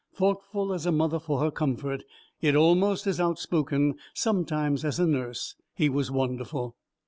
Thoughtful as a mother for her comfort, yet almost as outspoken, sometimes, as a nurse, he was wonderful.